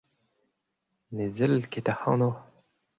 Ne sell ket ac'hanoc'h.